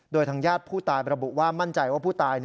โดยทางญาติผู้ตายประบุว่ามั่นใจว่าผู้ตาย